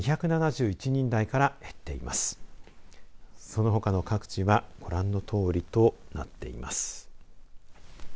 そのほかの各地はご覧のとおりとなっています。